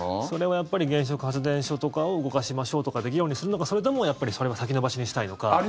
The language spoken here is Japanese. それを、やっぱり原子力発電所とかを動かしましょうとかって議論にするのかそれともそれを先延ばしにしたいのか。